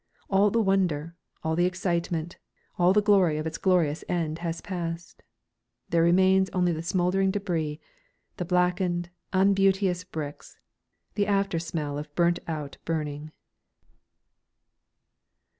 All the wonder, all the excitement, all the glory of its glorious end has passed. There remains only the smouldering debris, the blackened, unbeauteous bricks, the after smell of burnt out burning.